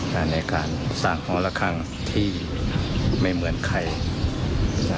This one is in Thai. ในการสร้างห้องละครั้งที่ไม่เหมือนใครนะ